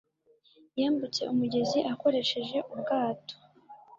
yambutse umugezi akoresheje ubwato.